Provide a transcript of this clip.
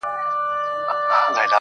شرنګی دی د ناپایه قافلې د جرسونو!!